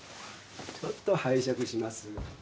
ちょっと拝借します。